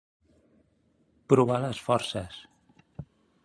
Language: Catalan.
Provar les forces.